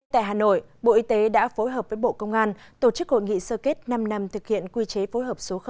tại hà nội bộ y tế đã phối hợp với bộ công an tổ chức hội nghị sơ kết năm năm thực hiện quy chế phối hợp số một